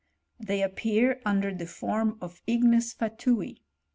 TfaMlf appear under the form of ignesfatui.